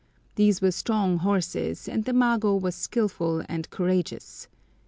These were strong horses, and the mago were skilful and courageous.